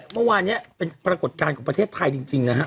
เมื่อวานนี้เป็นปรากฏการณ์ของประเทศไทยจริงนะฮะ